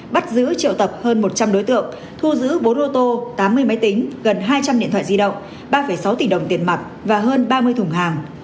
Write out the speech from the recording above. bắt giữ triệu tập hơn một trăm linh đối tượng thu giữ bốn ô tô tám mươi máy tính gần hai trăm linh điện thoại di động ba sáu tỷ đồng tiền mặt và hơn ba mươi thùng hàng